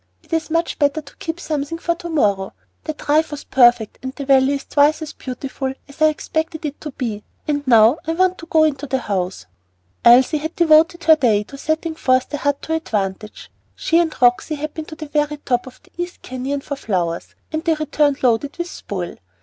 It is much better to keep something for to morrow. The drive was perfect, and the Valley is twice as beautiful as I expected it to be. And now I want to go into the house." Elsie had devoted her day to setting forth the Hut to advantage. She and Roxy had been to the very top of the East Canyon for flowers, and returned loaded with spoil.